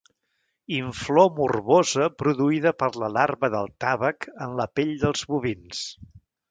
Inflor morbosa produïda per la larva del tàvec en la pell dels bovins.